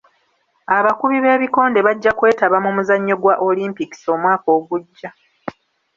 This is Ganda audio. Abakubi b'ebikonde bajja kwetaba mu muzannyo gwa olimpikisi omwaka ogujja.